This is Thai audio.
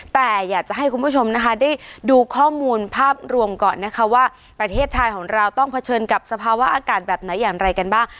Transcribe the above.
แต่อยากจะให้คุณผู้ชมนะคะได้ดูข้อมูลภาพรวมก่อนนะคะว่าประเทศไทยของเราต้องเผชิญกับสภาวะอากาศแบบไหนอย่างไรกันบ้าง